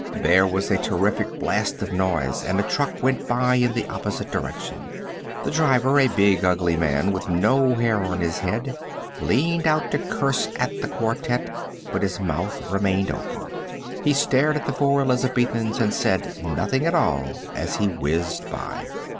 There was a terrific blast of noise, and a truck went by in the opposite direction. The driver, a big, ugly man with no hair on his head, leaned out to curse at the quartet, but his mouth remained open. He stared at the four Elizabethans and said nothing at all as he whizzed by.